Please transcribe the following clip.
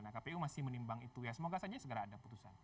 nah kpu masih menimbang itu ya semoga saja segera ada putusan